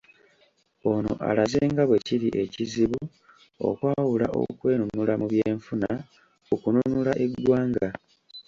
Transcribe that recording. Ono alaze nga bwekiri ekizibu okwawula okwenunula mu by'enfuna ku kununula eggwanga